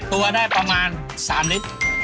ตัวได้ประมาณ๓ลิตร